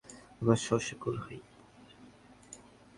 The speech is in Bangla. আমার সাহসে কুলোইনি।